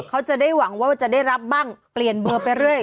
เขาจะได้หวังว่าจะได้รับบ้างเปลี่ยนเบอร์ไปเรื่อย